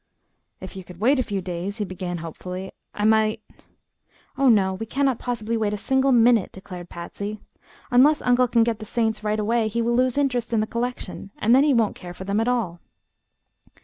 "Ef ye could wait a few days," he began, hopefully, "I might " "Oh, no; we can't possibly wait a single minute," declared Patsy. "Unless Uncle can get the Saints right away he will lose interest in the collection, and then he won't care for them at all."